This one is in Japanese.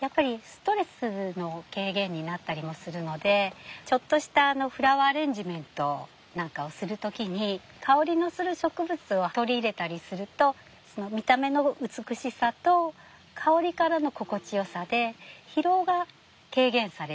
やっぱりストレスの軽減になったりもするのでちょっとしたフラワーアレンジメントなんかをする時に香りのする植物を取り入れたりすると見た目の美しさと香りからの心地よさで疲労が軽減されて。